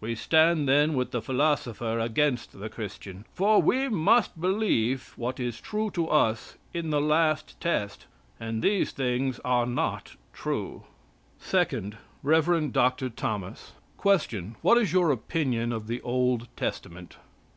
We stand then with the philosopher against the Christian, for we must believe what is true to us in the last test, and these things are not true." SECOND, REV. DR. THOMAS. Question. What is your opinion of the Old Testament?